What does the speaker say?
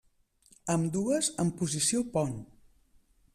Ambdues en posició pont.